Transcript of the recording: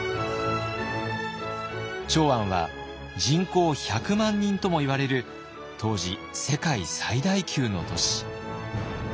長安は人口１００万人ともいわれる当時世界最大級の都市。